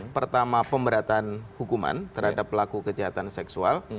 pertama pemberatan hukuman terhadap pelaku kejahatan seksual